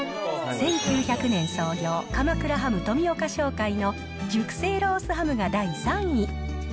１９００年創業、鎌倉ハム富岡商会の熟成ロースハムが第３位。